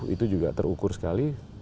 itu juga terukur sekali